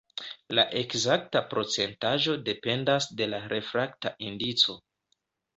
La ekzakta procentaĵo dependas de la refrakta indico.